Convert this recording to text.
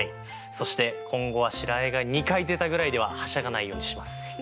そして今後は白あえが２回出たぐらいでははしゃがないようにします。